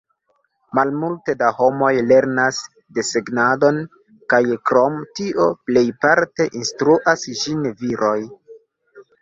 Malmulte da homoj lernas desegnadon, kaj krom tio plejparte instruas ĝin viroj.